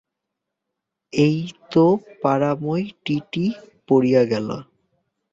এই তো পাড়াময় ঢী ঢী পড়িয়া গেল!